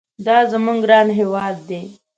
دا زموږ ګران هېواد دي.